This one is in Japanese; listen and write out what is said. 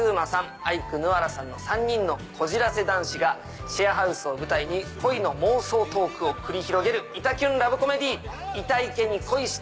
アイクぬわらさんの３人のこじらせ男子がシェアハウスを舞台に恋の妄想トークを繰り広げるイタきゅんラブコメディー。